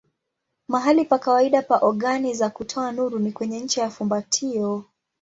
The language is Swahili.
Mahali pa kawaida pa ogani za kutoa nuru ni kwenye ncha ya fumbatio.